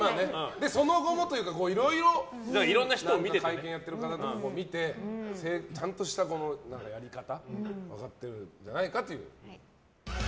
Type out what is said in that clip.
その後もというかいろいろ会見やってるのとか見てちゃんとしたやり方を分かってるんじゃないかっていう。